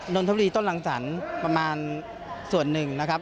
นนทบุรีต้นรังสรรค์ประมาณส่วนหนึ่งนะครับ